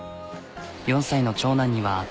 ４歳の長男には。